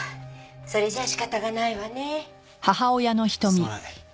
すまない。